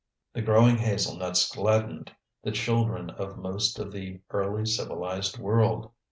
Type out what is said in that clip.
The growing hazel nuts gladdened the children of most of the early civilized world.